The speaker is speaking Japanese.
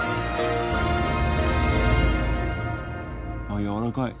あっやわらかい。